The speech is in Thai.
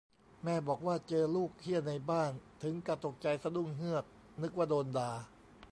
"แม่บอกว่าเจอลูกเหี้ยในบ้าน ถึงกะตกใจสะดุ้งเฮือก นึกว่าโดนด่า"